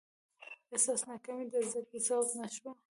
ایا ستاسو ناکامي د زده کړې سبب نه شوه؟